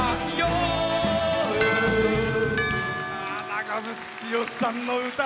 長渕剛さんの歌。